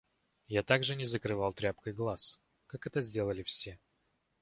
Я также не закрывал тряпкой глаз, как это сделали все.